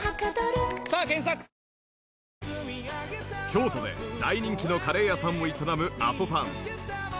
京都で大人気のカレー屋さんを営む阿蘓さん